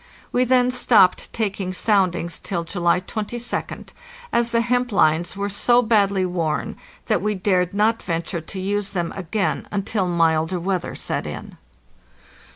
We then stopped taking soundings till July 22d, as the hemp lines were so badly worn that we dared not venture to use them again until milder weather set in.